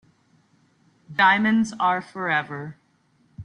Diamonds are forever.